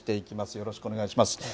よろしくお願いします。